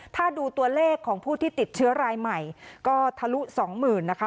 ถ้าดูตัวเลขของผู้ที่ติดเชื้อรายใหม่ก็ทะลุสองหมื่นนะคะ